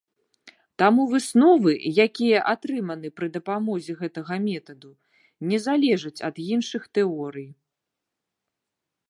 Таму высновы, якія атрыманы пры дапамозе гэтага метаду, не залежаць ад іншых тэорый.